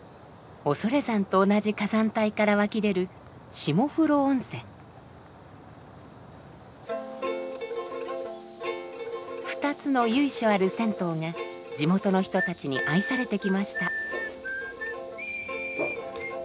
恐山と同じ火山帯から湧き出る２つの由緒ある銭湯が地元の人たちに愛されてきました。